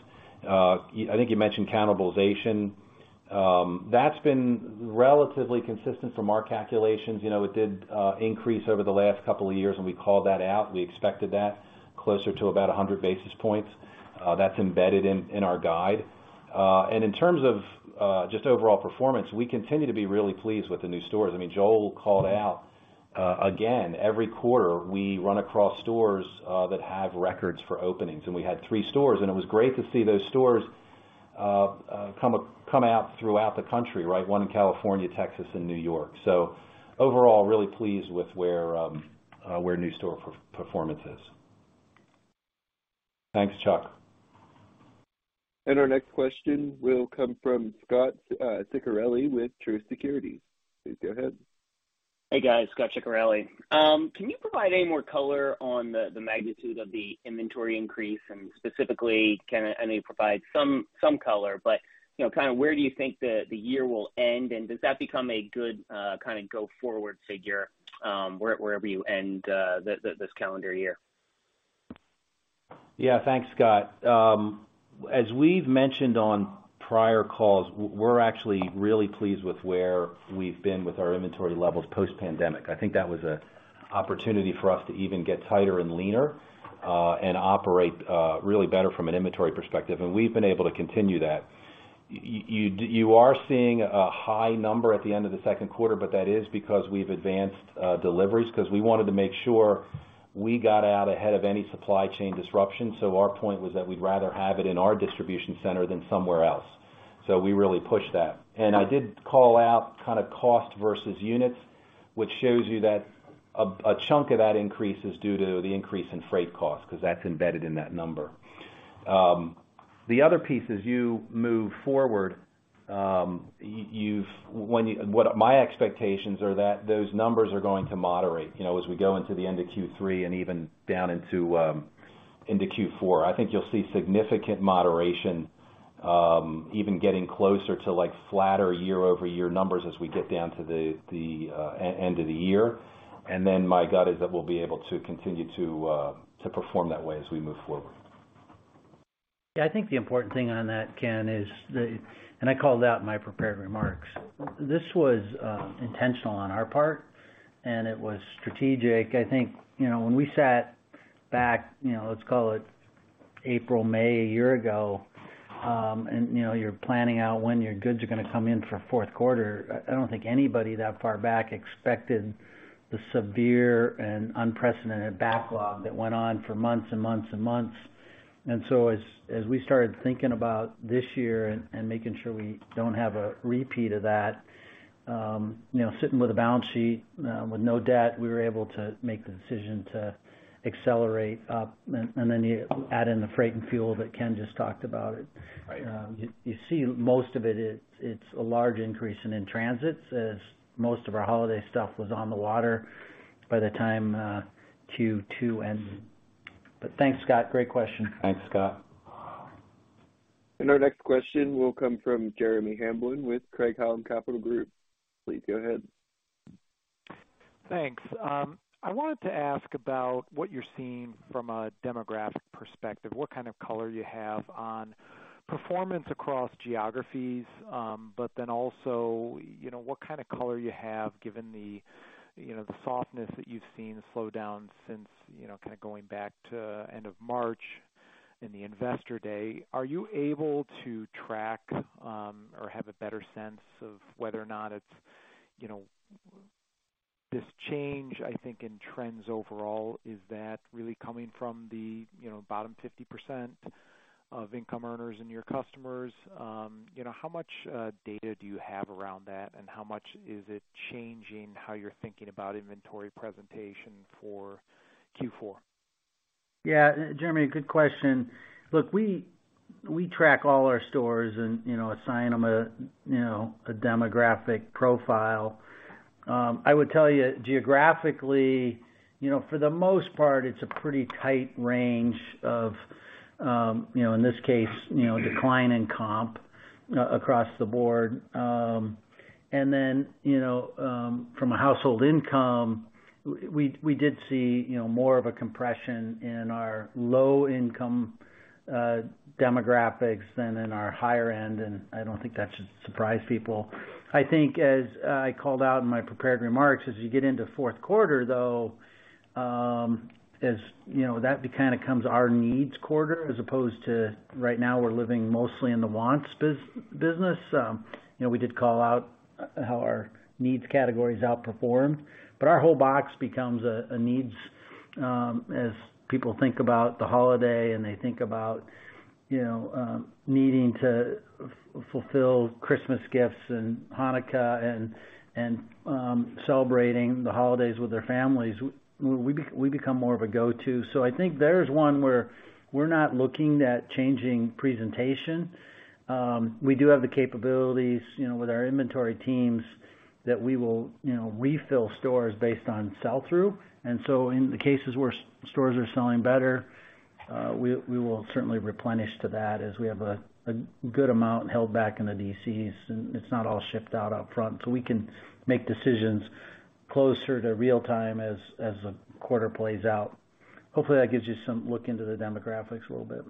I think you mentioned cannibalization. That's been relatively consistent from our calculations. You know, it did increase over the last couple of years, and we called that out. We expected that closer to about 100 basis points. That's embedded in our guide. In terms of just overall performance, we continue to be really pleased with the new stores. I mean, Joel called out again, every quarter, we run across stores that have records for openings, and we had three 3 stores. It was great to see those stores come out throughout the country, right? One in California, Texas, and New York. Overall, really pleased with where new store performance is. Thanks, Chuck. Our next question will come from Scot Ciccarelli with Truist Securities. Please go ahead. Hey, guys. Scot Ciccarelli. Can you provide any more color on the magnitude of the inventory increase? Specifically, I know you provided some color, but you know, kind of where do you think the year will end, and does that become a good kind of go forward figure, wherever you end this calendar year? Yeah. Thanks, Scott. As we've mentioned on prior calls, we're actually really pleased with where we've been with our inventory levels post-pandemic. I think that was an opportunity for us to even get tighter and leaner, and operate really better from an inventory perspective, and we've been able to continue that. You are seeing a high number at the end of the second quarter, but that is because we've advanced deliveries because we wanted to make sure We got out ahead of any supply chain disruption. Our point was that we'd rather have it in our distribution center than somewhere else. We really pushed that. I did call out kind of cost versus units, which shows you that a chunk of that increase is due to the increase in freight costs, 'cause that's embedded in that number. The other piece, as you move forward, my expectations are that those numbers are going to moderate, you know, as we go into the end of Q3 and even down into Q4. I think you'll see significant moderation, even getting closer to, like, flatter year-over-year numbers as we get down to the end of the year. My gut is that we'll be able to continue to perform that way as we move forward. Yeah, I think the important thing on that, Ken, is, and I called out in my prepared remarks. This was intentional on our part, and it was strategic. I think, you know, when we sat back, you know, let's call it April, May a year ago, and, you know, you're planning out when your goods are gonna come in for fourth quarter, I don't think anybody that far back expected the severe and unprecedented backlog that went on for months and months and months. As we started thinking about this year and making sure we don't have a repeat of that, you know, sitting with a balance sheet with no debt, we were able to make the decision to accelerate up. Then you add in the freight and fuel that Ken just talked about. Right. You see most of it's a large increase in in-transits as most of our holiday stuff was on the water by the time Q2 ends. Thanks, Scot. Great question. Thanks, Scott. Our next question will come from Jeremy Hamblin with Craig-Hallum Capital Group. Please go ahead. Thanks. I wanted to ask about what you're seeing from a demographic perspective, what kind of color you have on performance across geographies, but then also, you know, what kind of color you have given the, you know, the softness that you've seen slow down since, you know, kind of going back to end of March in the Investor Day. Are you able to track, or have a better sense of whether or not it's, you know, this change, I think, in trends overall, is that really coming from the, you know, bottom 50% of income earners and your customers? You know, how much data do you have around that, and how much is it changing how you're thinking about inventory presentation for Q4? Yeah, Jeremy, good question. Look, we track all our stores and, you know, assign them a demographic profile. I would tell you, geographically, you know, for the most part, it's a pretty tight range of, you know, in this case, decline in comp across the board. From a household income, we did see, you know, more of a compression in our low-income demographics than in our higher end, and I don't think that should surprise people. I think as I called out in my prepared remarks, as you get into fourth quarter, though, as you know, that kind of comes our needs quarter as opposed to right now we're living mostly in the wants business. You know, we did call out how our needs categories outperformed. Our whole box becomes a needs as people think about the holiday and they think about, you know, needing to fulfill Christmas gifts and Hanukkah and celebrating the holidays with their families, we become more of a go-to. I think there's one where we're not looking at changing presentation. We do have the capabilities, you know, with our inventory teams that we will, you know, refill stores based on sell-through. In the cases where stores are selling better, we will certainly replenish to that as we have a good amount held back in the DCs, and it's not all shipped out upfront. We can make decisions closer to real-time as the quarter plays out. Hopefully, that gives you some look into the demographics a little bit.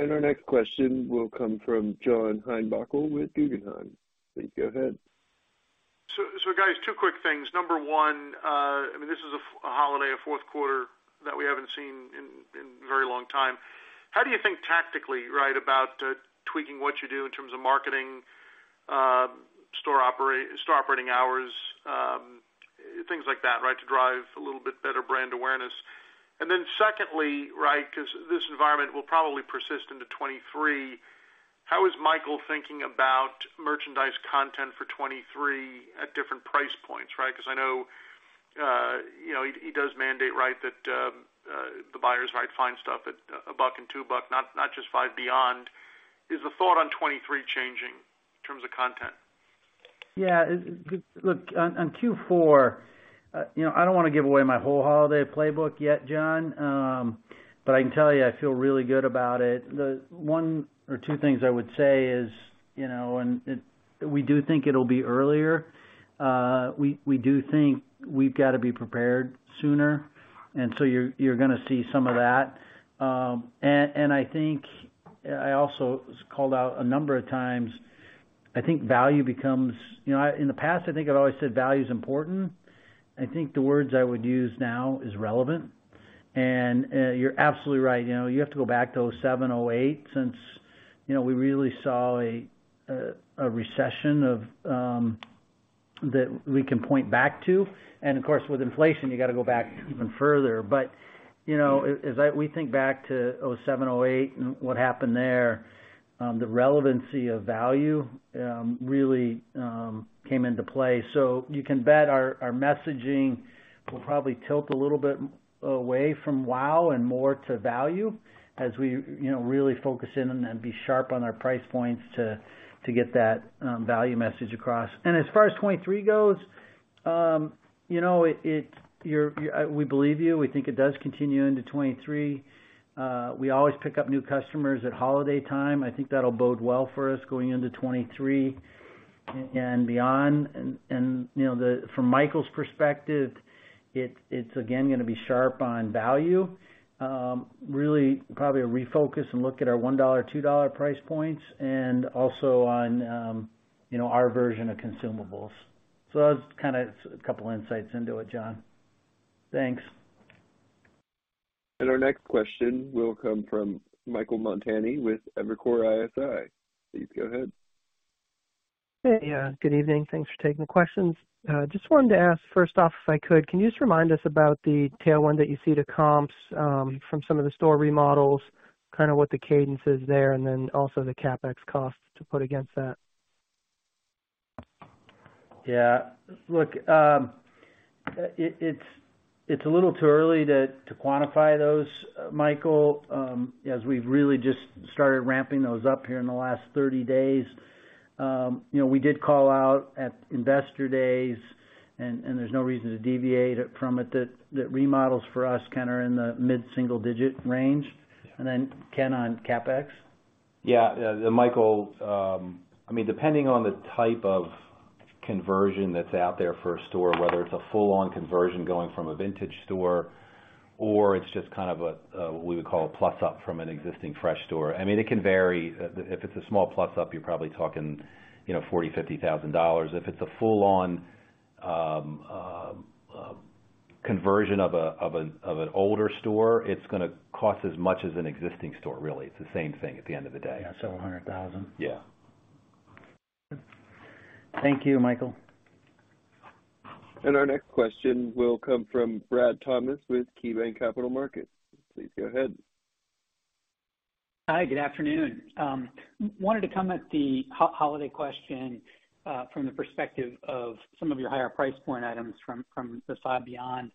Our next question will come from John Heinbockel with Guggenheim. Please go ahead. Guys, two quick things. Number one, I mean, this is a holiday, a fourth quarter that we haven't seen in a very long time. How do you think tactically, right, about tweaking what you do in terms of marketing, store operating hours, things like that, right, to drive a little bit better brand awareness? Then secondly, right, 'cause this environment will probably persist into 2023, how is Michael thinking about merchandise content for 2023 at different price points, right? 'Cause I know, you know, he does mandate, right, that the buyers might find stuff at a buck and two buck, not just Five Beyond. Is the thought on 2023 changing in terms of content? Yeah. Look, on Q4, you know, I don't wanna give away my whole holiday playbook yet, John. I can tell you I feel really good about it. The one or two things I would say is, you know, we do think it'll be earlier. We do think we've gotta be prepared sooner, and so you're gonna see some of that. I think I also called out a number of times. I think value becomes. You know, in the past, I think I've always said value is important. I think the words I would use now is relevant. You're absolutely right. You know, you have to go back to 2007, 2008 since, you know, we really saw a recession or that we can point back to. Of course, with inflation, you gotta go back even further. You know, we think back to 2007, 2008 and what happened there, the relevancy of value really came into play. You can bet our messaging will probably tilt a little bit away from Wow and more to value as we, you know, really focus in and then be sharp on our price points to get that value message across. As far as 2023 goes, you know, we believe you. We think it does continue into 2023 and beyond. You know, from Michael's perspective, it's again gonna be sharp on value. Really probably a refocus and look at our $1, $2 price points and also on, you know, our version of consumables. That's kinda a couple insights into it, John. Thanks. Our next question will come from Michael Montani with Evercore ISI. Please go ahead. Hey. Yeah, good evening. Thanks for taking the questions. Just wanted to ask first off, if I could, can you just remind us about the tailwind that you see to comps, from some of the store remodels, kind of what the cadence is there, and then also the CapEx costs to put against that? Yeah. Look, it's a little too early to quantify those, Michael, as we've really just started ramping those up here in the last 30 days. You know, we did call out at Investor Days, and there's no reason to deviate from it, that remodels for us kinda are in the mid-single digit range. Sure. Ken on CapEx. Michael, I mean, depending on the type of conversion that's out there for a store, whether it's a full-on conversion going from a vintage store or it's just kind of a what we would call a plus-up from an existing fresh store. I mean, it can vary. If it's a small plus-up, you're probably talking, you know, $40,000-$50,000. If it's a full-on conversion of an older store, it's gonna cost as much as an existing store really. It's the same thing at the end of the day. Yeah, $100,000. Yeah. Good. Thank you, Michael. Our next question will come from Brad Thomas with KeyBanc Capital Markets. Please go ahead. Hi, good afternoon. Wanted to come at the holiday question from the perspective of some of your higher price point items from the Five Beyond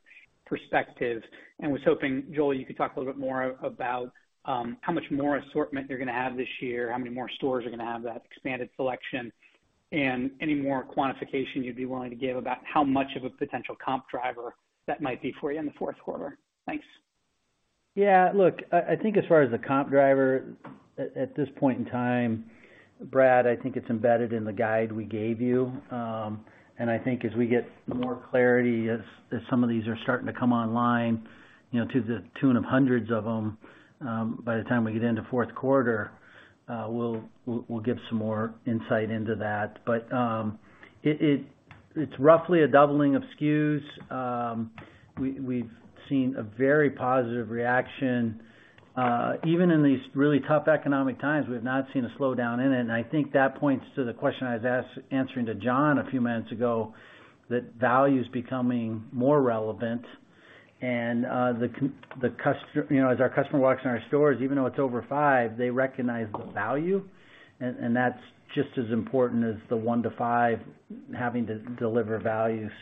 perspective and was hoping, Joel, you could talk a little bit more about how much more assortment you're gonna have this year, how many more stores are gonna have that expanded selection, and any more quantification you'd be willing to give about how much of a potential comp driver that might be for you in the fourth quarter. Thanks. Yeah. Look, I think as far as the comp driver at this point in time, Brad, I think it's embedded in the guide we gave you. I think as we get more clarity as some of these are starting to come online, you know, to the tune of hundreds of them, by the time we get into fourth quarter, we'll give some more insight into that. It's roughly a doubling of SKUs. We've seen a very positive reaction. Even in these really tough economic times, we've not seen a slowdown in it, and I think that points to the question I was answering to John a few minutes ago, that value is becoming more relevant. You know, as our customer walks in our stores, even though it's over five they recognize the value and that's just as important as the 1 to 5 having to deliver value. That's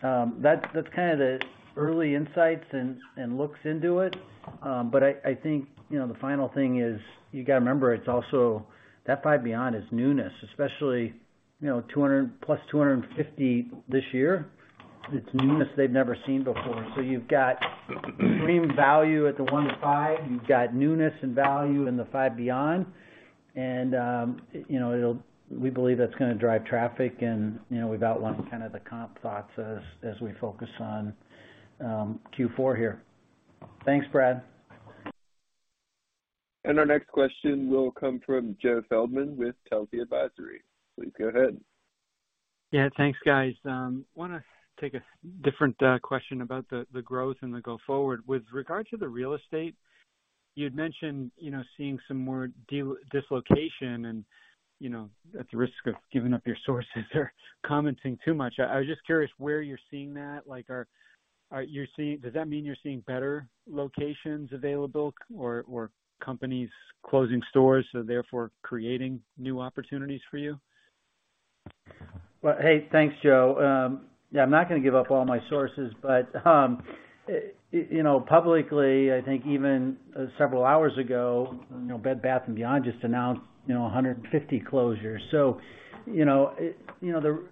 kind of the early insights and looks into it. But I think, you know, the final thing is you gotta remember it's also that Five Beyond is newness, especially, you know, 200+, 250 this year. It's newness they've never seen before. You've got extreme value at the 1 to 5. You've got newness and value in the Five Beyond and, you know, we believe that's gonna drive traffic. You know, we've outlined kind of the comp thoughts as we focus on Q4 here. Thanks, Brad. Our next question will come from Joe Feldman with Telsey Advisory. Please go ahead. Yeah, thanks, guys. Wanna take a different question about the growth and the go forward. With regard to the real estate, you'd mentioned, you know, seeing some more dislocation and, you know, at the risk of giving up your sources or commenting too much, I was just curious where you're seeing that. Like, does that mean you're seeing better locations available or companies closing stores, so therefore creating new opportunities for you? Well, hey, thanks, Joe. Yeah, I'm not gonna give up all my sources, but you know, publicly, I think even several hours ago, you know, Bed Bath & Beyond just announced you know, 150 closures. You know, the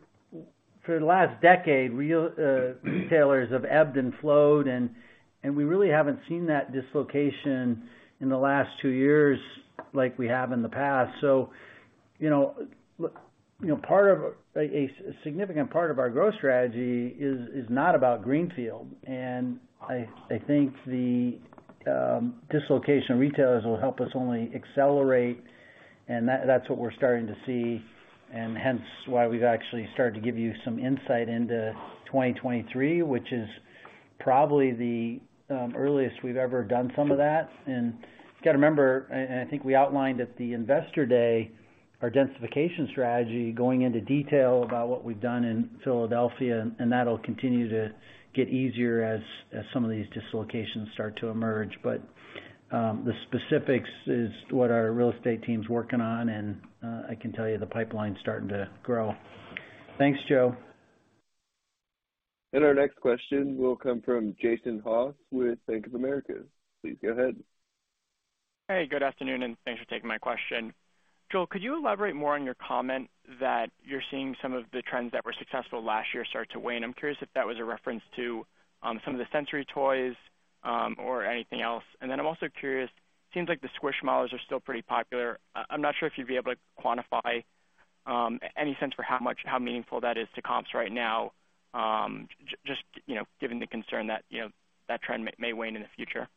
for the last decade, retailers have ebbed and flowed, and we really haven't seen that dislocation in the last two years like we have in the past. You know, look, you know, a significant part of our growth strategy is not about greenfield. I think the dislocated retailers will help us only accelerate, and that's what we're starting to see and hence why we've actually started to give you some insight into 2023, which is probably the earliest we've ever done some of that. You gotta remember, and I think we outlined at the Investor Day our densification strategy going into detail about what we've done in Philadelphia, and that'll continue to get easier as some of these dislocations start to emerge. But the specifics is what our real estate team's working on, and I can tell you, the pipeline's starting to grow. Thanks, Joe. Our next question will come from Jason Haas with Bank of America. Please go ahead. Hey, good afternoon, and thanks for taking my question. Joel, could you elaborate more on your comment that you're seeing some of the trends that were successful last year start to wane? I'm curious if that was a reference to some of the sensory toys or anything else. I'm also curious, seems like the Squishmallows are still pretty popular. I'm not sure if you'd be able to quantify any sense for how meaningful that is to comps right now, just you know, given the concern that you know, that trend may wane in the future.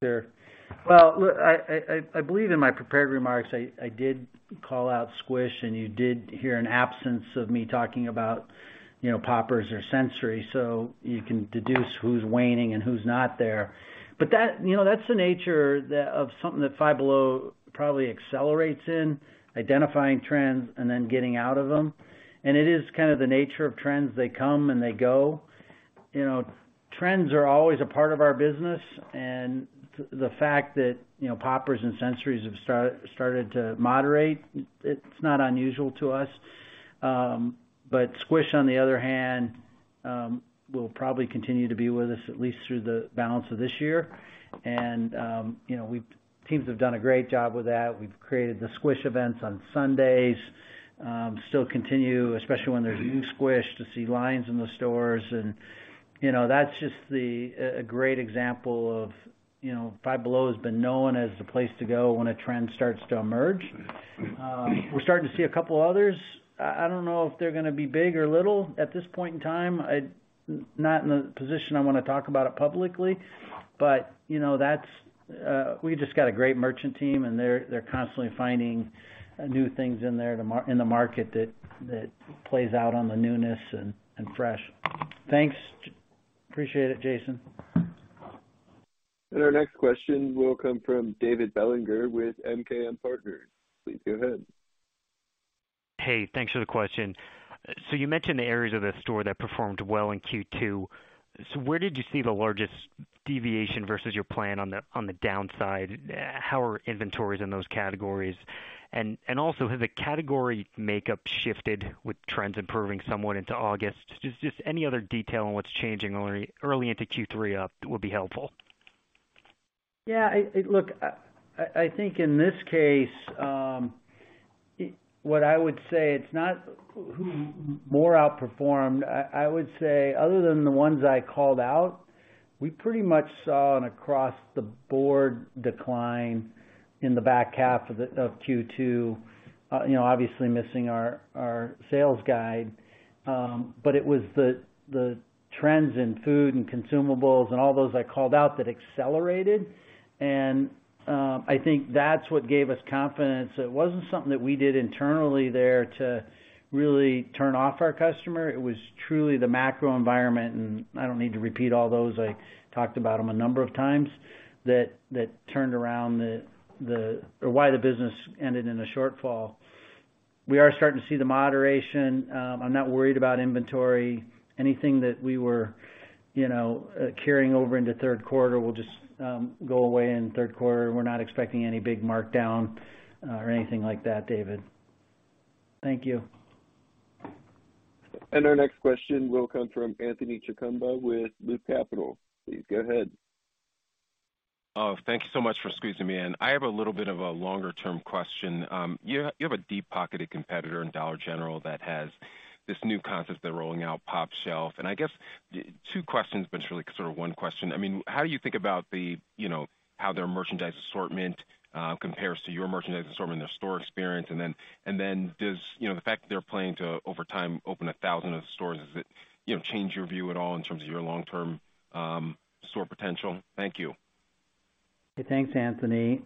Sure. Well, look, I believe in my prepared remarks, I did call out Squish, and you did hear an absence of me talking about, you know, poppers or sensory. So you can deduce who's waning and who's not there. But that, you know, that's the nature of something that Five Below probably accelerates in, identifying trends and then getting out of them. It is kind of the nature of trends. They come and they go. You know, trends are always a part of our business, and the fact that, you know, poppers and sensories have started to moderate, it's not unusual to us. But Squish on the other hand, will probably continue to be with us at least through the balance of this year. Teams have done a great job with that. We've created the Squishmallows events on Sundays, still continue, especially when there's new Squishmallows, to see lines in the stores and, you know, that's just a great example of, you know, Five Below has been known as the place to go when a trend starts to emerge. We're starting to see a couple others. I don't know if they're gonna be big or little at this point in time. I'm not in a position I wanna talk about it publicly. You know, we just got a great merchant team, and they're constantly finding new things in the market that plays out on the newness and fresh. Thanks. Appreciate it, Jason. Our next question will come from David Bellinger with MKM Partners. Please go ahead. Hey, thanks for the question. You mentioned the areas of the store that performed well in Q2. Where did you see the largest deviation versus your plan on the downside? How are inventories in those categories? Also, has the category makeup shifted with trends improving somewhat into August? Just any other detail on what's changing early into Q3 up would be helpful. Yeah. Look, I think in this case, what I would say, it's not who more outperformed. I would say other than the ones I called out, we pretty much saw an across-the-board decline in the back half of Q2, you know, obviously missing our sales guide. It was the trends in food and consumables and all those I called out that accelerated, and I think that's what gave us confidence. It wasn't something that we did internally there to really turn off our customer. It was truly the macro environment, and I don't need to repeat all those, I talked about them a number of times, that turned around the or why the business ended in a shortfall. We are starting to see the moderation. I'm not worried about inventory. Anything that we were, you know, carrying over into third quarter will just go away in the third quarter. We're not expecting any big markdown or anything like that, David. Thank you. Our next question will come from Anthony Chukumba with Loop Capital. Please go ahead. Oh, thank you so much for squeezing me in. I have a little bit of a longer-term question. You have a deep-pocketed competitor in Dollar General that has this new concept they're rolling out, pOpshelf. I guess two questions, but it's really sort of one question. I mean, how do you think about, you know, how their merchandise assortment compares to your merchandise assortment, their store experience? Then does, you know, the fact that they're planning to over time open 1,000 of the stores, does it, you know, change your view at all in terms of your long-term store potential? Thank you. Thanks, Anthony.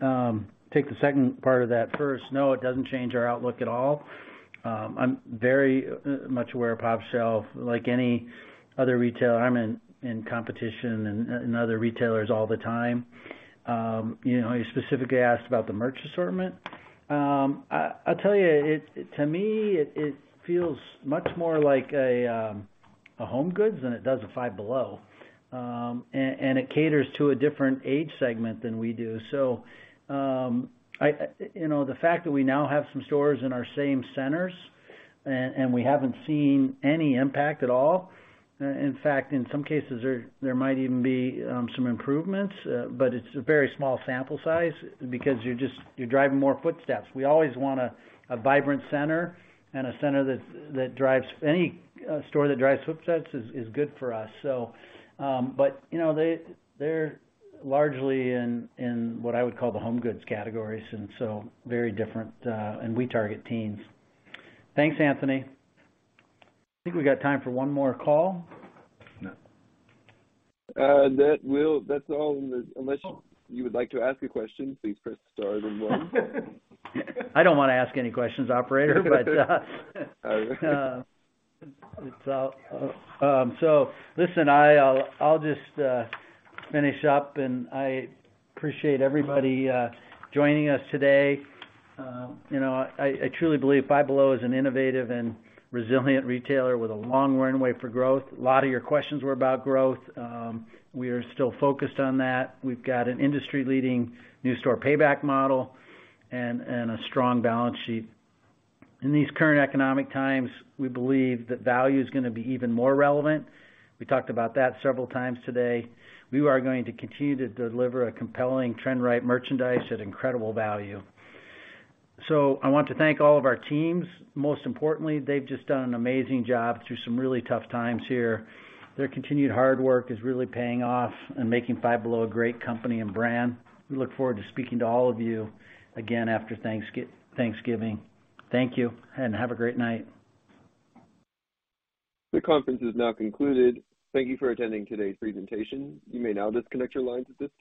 Take the second part of that first. No, it doesn't change our outlook at all. I'm very much aware of pOpshelf. Like any other retailer, I'm in competition with other retailers all the time. You know, you specifically asked about the merch assortment. I'll tell you, to me, it feels much more like a HomeGoods than it does a Five Below. And it caters to a different age segment than we do. You know, the fact that we now have some stores in our same centers and we haven't seen any impact at all, in fact, in some cases there might even be some improvements, but it's a very small sample size because you're driving more footsteps. We always want a vibrant center and a center that drives any store that drives footsteps is good for us. You know, they're largely in what I would call the HomeGoods categories and so very different, and we target teens. Thanks, Anthony. I think we got time for one more call. That's all. Unless you would like to ask a question, please press star then one. I don't wanna ask any questions, operator, but All right. Listen, I'll just finish up, and I appreciate everybody joining us today. You know, I truly believe Five Below is an innovative and resilient retailer with a long runway for growth. A lot of your questions were about growth. We are still focused on that. We've got an industry-leading new store payback model and a strong balance sheet. In these current economic times, we believe that value is gonna be even more relevant. We talked about that several times today. We are going to continue to deliver a compelling trend-right merchandise at incredible value. I want to thank all of our teams. Most importantly, they've just done an amazing job through some really tough times here. Their continued hard work is really paying off and making Five Below a great company and brand. We look forward to speaking to all of you again after Thanksgiving. Thank you, and have a great night. This conference is now concluded. Thank you for attending today's presentation. You may now disconnect your lines at this time.